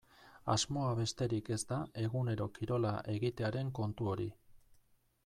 Asmoa besterik ez da egunero kirola egitearen kontu hori.